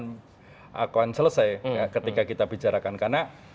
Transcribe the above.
dikalahkan selesai ketika kita bicarakan karena